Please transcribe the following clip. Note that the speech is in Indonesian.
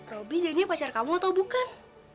roby jadinya pacar kamu atau bukan